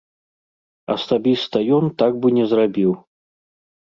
Асабіста ён так бы не зрабіў.